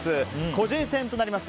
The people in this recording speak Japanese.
個人戦となります。